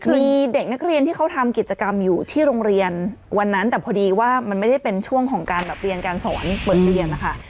คือเด็กนักเรียนที่เขาทำกิจกรรมอยู่ที่โรงเรียนวันนั้นแต่พอดีว่ามันไม่ได้เป็นช่วงของการแบบเรียนการสอนเปิดเรียนนะคะ